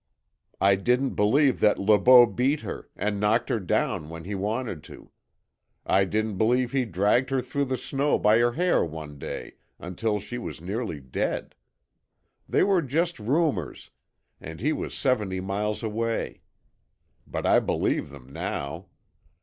I didn't believe that Le Beau beat her, and knocked her down when he wanted to. I didn't believe he dragged her through the snow by her hair one day until she was nearly dead. They were just rumours, and he was seventy miles away. But I believe them now.